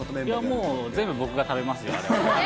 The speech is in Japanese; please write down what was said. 全部僕が食べますよ。